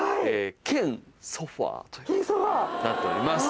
兼ソファというふうになっております。